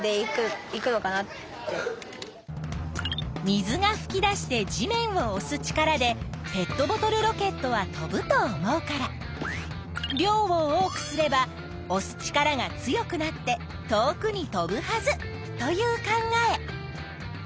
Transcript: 「水がふき出して地面をおす力でペットボトルロケットは飛ぶと思うから量を多くすればおす力が強くなって遠くに飛ぶはず」という考え。